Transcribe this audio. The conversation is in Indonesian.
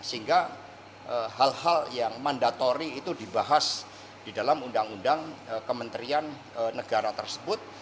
sehingga hal hal yang mandatori itu dibahas di dalam undang undang kementerian negara tersebut